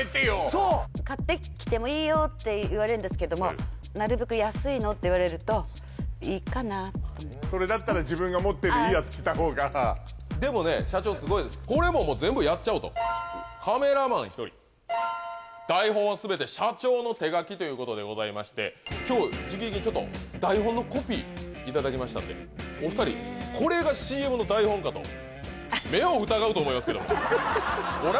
そう買ってきてもいいよって言われるんですけどもなるべく安いのって言われるといいかなと思ってそれだったら自分が持ってるいいやつ着たほうがでもね社長すごいですこれももう全部やっちゃおうとということでございまして今日直々にちょっと台本のコピーいただきましたんでお二人これがＣＭの台本かと目を疑うと思いますけどもご覧